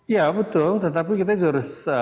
ya betul tetapi kita juga harus